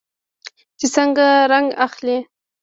چې څنګه رنګ اخلي.